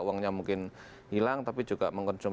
uangnya mungkin hilang tapi juga mengkonsumsi